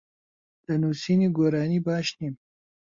لە نووسینی گۆرانی باش نیم.